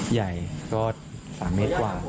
ใหญ่ก็๓เมตรกว่า